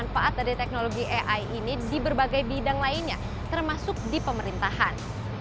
dan memperbaiki data dan teknologi ai ini di berbagai bidang lainnya termasuk di pemerintahan